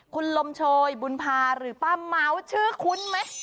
คุณลมโชยบุญพาหรือป้าเม้าชื่อคุ้นไหม